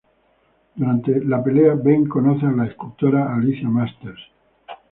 Durante la pelea Ben conoce a la escultora Alicia Masters.